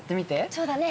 そうだね。